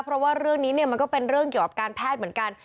เพราะว่าเรื่องนี้เนี่ยมันก็เป็นเรื่องเกี่ยวกับการแพทย์เหมือนกัน